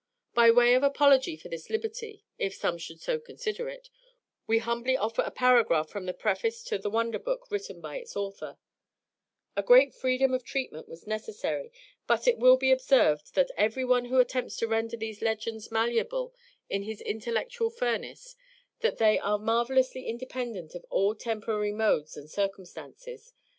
By way of apology for this liberty (if some should so consider it), we humbly offer a paragraph from a preface to the "Wonder Book" written by its author: "A great freedom of treatment was necessary but it will be observed by every one who attempts to render these legends malleable in his intellectual furnace, that they are marvelously independent of all temporary modes and circumstances.